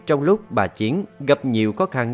trong lúc bà chiến gặp nhiều khó khăn